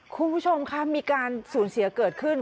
คุณผู้ชมคะมีการสูญเสียเกิดขึ้น